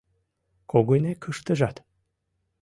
— Когынекыштыжат!